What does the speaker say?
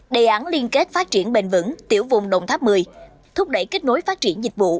đề án liên kết phát triển bền vững tiểu vùng đồng tháp một mươi thúc đẩy kết nối phát triển dịch vụ